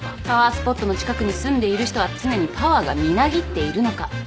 パワースポットの近くに住んでいる人は常にパワーがみなぎっているのか。